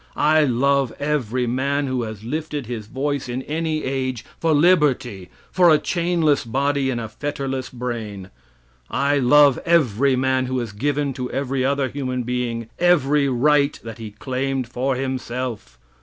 I love every man who has lifted his voice in any age for liberty, for a chainless body and a fetterless brain. I love everyman who has given to every other human being every right that he claimed for himself.